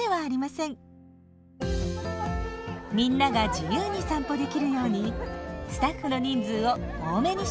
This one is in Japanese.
みんなが自由に散歩できるようにスタッフの人数を多めにしています。